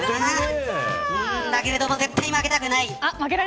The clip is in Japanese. だけれども絶対負けたくない。